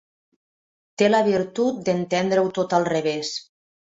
Té la virtut d'entendre-ho tot al revés.